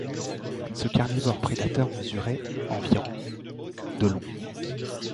Ce carnivore prédateur mesurait environ de long.